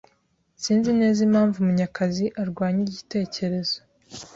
Sinzi neza impamvu Munyakazi arwanya igitekerezo.